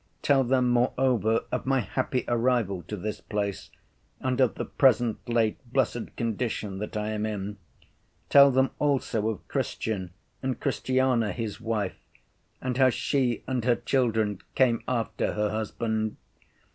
Tell them moreover of my happy arrival to this place, and of the present late blessed condition that I am in. Tell them also of Christian and Christiana his wife, and how she and her children came after her husband.